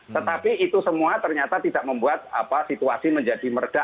tetapi itu semua ternyata tidak membuat situasi menjadi meredah